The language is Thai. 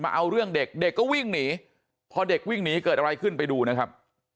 เอาเรื่องเด็กเด็กก็วิ่งหนีพอเด็กวิ่งหนีเกิดอะไรขึ้นไปดูนะครับ